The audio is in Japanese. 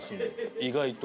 意外と。